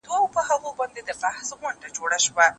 خدای دي درکړۍ عوضونه مومنانو